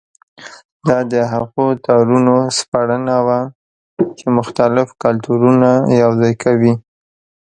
دا د هغو تارونو سپړنه وه چې مختلف کلتورونه یوځای کوي.